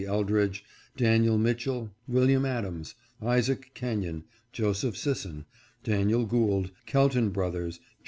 Eldredge, Daniel Mitchell, William Adams, Isaac Kenyon, Joseph Sisson, Daniel Goold, Kelton broth ers, Geo.